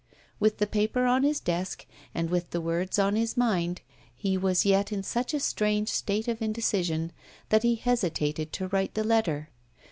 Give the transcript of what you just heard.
With the paper on his desk and with the words on his mind, he was yet in such a strange state of indecision that he hesitated to write the letter!